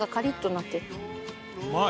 うまい！